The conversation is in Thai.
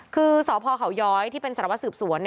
คือสพเขาย้อยที่เป็นสารวัสสืบสวน